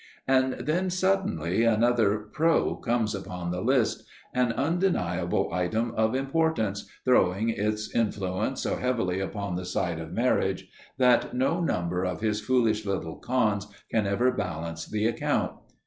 And then, suddenly, another "pro" comes upon the list, an undeniable item of importance, throwing its influence so heavily upon the side of marriage that no number of his foolish little "cons" can ever balance the account.